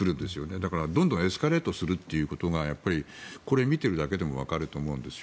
だから、どんどんエスカレートすることがこれを見ているだけでもわかると思うんです。